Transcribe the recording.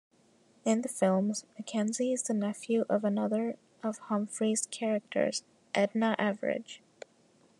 In the films, McKenzie is the nephew of another of Humphries' characters, Edna Everage.